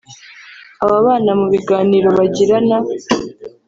Aba bana mu biganiro bagirana